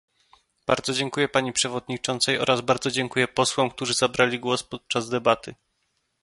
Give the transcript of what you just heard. Bardzo dziękuję pani przewodniczącej oraz bardzo dziękuję posłom, którzy zabrali głos podczas debaty